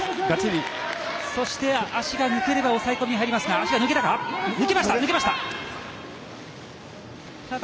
そして足が抜ければ押さえ込みに入りますが足が抜けたか。